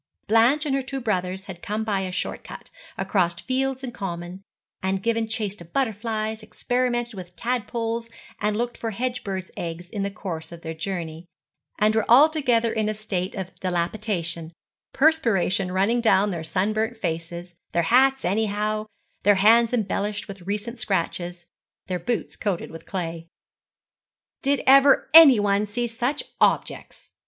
Blanche and her two brothers had come by a short cut, across fields and common, had given chase to butterflies, experimented with tadpoles, and looked for hedge birds' eggs in the course of their journey, and were altogether in a state of dilapidation perspiration running down their sunburnt faces their hats anyhow their hands embellished with recent scratches their boots coated with clay. 'Did ever anyone see such objects?'